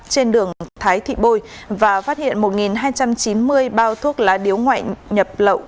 trên đường thái thị bôi và phát hiện một hai trăm chín mươi bao thuốc lá điếu ngoại nhập lậu